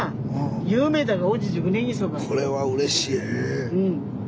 これはうれしい。